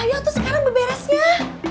ayo tuh sekarang berberesnya